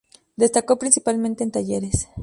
Destacó principalmente en Talleres.